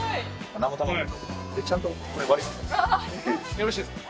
よろしいですか？